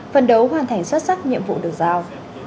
phần đấu hoàn thành xuất sắc nhiệm vụ được giao